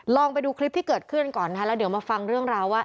ลองไปดูคลิปที่เกิดขึ้นก่อนนะคะแล้วเดี๋ยวมาฟังเรื่องราวว่า